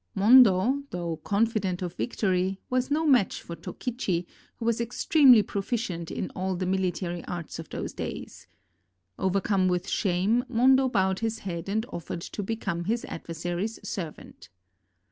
Mondo, though confident of victory, was no match for Tokichi, who was extremely proficient in all the military arts of those days. Overcome with shame, Mondo bowed his head and offered to become his adversary's servant.